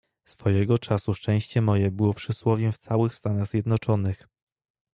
"Swojego czasu szczęście moje było przysłowiowem w całych Stanach Zjednoczonych."